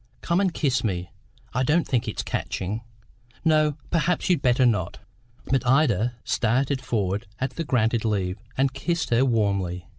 Come and kiss me; I don't think it's catching. No, perhaps you'd better not." But Ida started forward at the granted leave, and kissed her warmly.